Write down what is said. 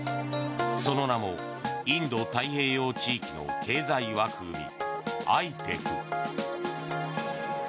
その名もインド太平洋経済枠組みＩＰＥＦ。